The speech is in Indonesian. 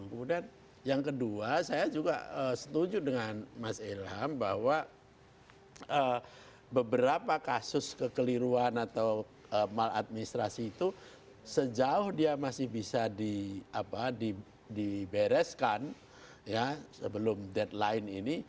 kemudian yang kedua saya juga setuju dengan mas ilham bahwa beberapa kasus kekeliruan atau maladministrasi itu sejauh dia masih bisa dibereskan sebelum deadline ini